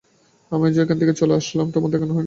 আমি আজই এখান হইতে চলিলাম, আমার সঙ্গে তোমার দেখা না হয়।